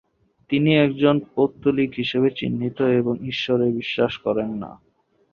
তিনি একজন পৌত্তলিক হিসাবে চিহ্নিত এবং ঈশ্বরে বিশ্বাস করেন না।